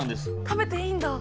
食べていいんだ？